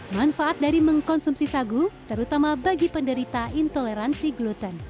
manfaat dari mengkonsumsi sagu terutama bagi penderita intoleransi gluten